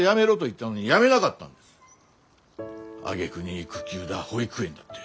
あげくに育休だ保育園だって。